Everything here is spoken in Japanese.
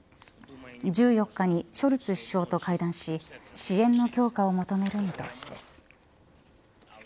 １４日にショルツ首相と会談し支援の強化を求める見通しです。